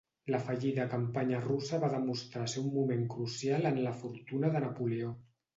La fallida campanya russa va demostrar ser un moment crucial en la fortuna de Napoleó.